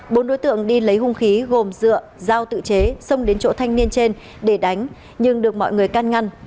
bốn đối tượng đi lấy hung khí gồm dựa dao tự chế xông đến chỗ thanh niên trên để đánh nhưng được mọi người can ngăn